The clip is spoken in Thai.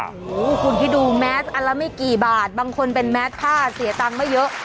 โอ้โหคุณคิดดูแมสอันละไม่กี่บาทบางคนเป็นแมสผ้าเสียตังค์ไม่เยอะ